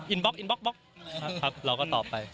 อินบ๊อกครับเราก็ตอบไป